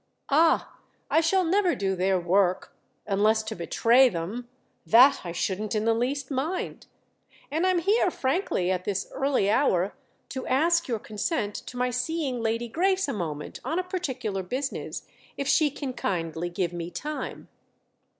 "Ah, I shall never do their work—unless to betray them: that I shouldn't in the least mind!—and I'm here, frankly, at this early hour, to ask your consent to my seeing Lady Grace a moment on a particular business, if she can kindly give me time."